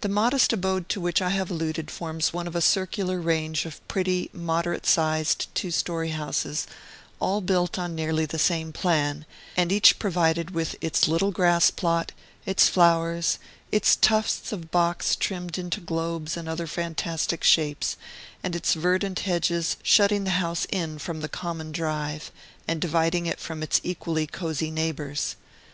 The modest abode to which I have alluded forms one of a circular range of pretty, moderate sized, two story houses, all built on nearly the same plan, and each provided with its little grass plot, its flowers, its tufts of box trimmed into globes and other fantastic shapes, and its verdant hedges shutting the house in from the common drive and dividing it from its equally cosey neighbors.